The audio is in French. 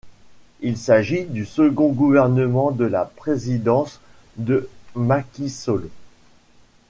Il s'agit du second gouvernement de la présidence de Macky Sall.